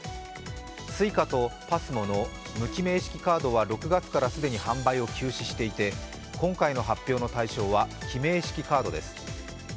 ＳｕｉｃａとＰＡＳＭＯの無記名式カードは６月から既に販売を休止していて今回の発表の対象は記名式カードです。